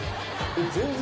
全然。